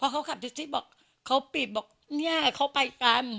เขาปีบบอกเนี่ยเขาไปกัน